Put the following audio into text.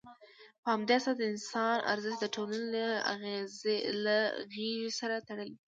په همدې اساس، د انسان ارزښت د ټولنې له غېږې سره تړلی دی.